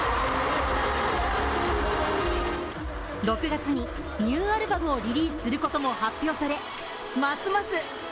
６月にニューアルバムをリリースすることも発表されますます